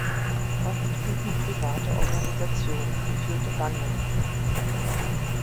Oft bieten private Organisationen geführte Wanderungen an.